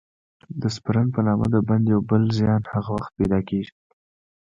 د سپرن په نامه د بند یو بل زیان هغه وخت پیدا کېږي.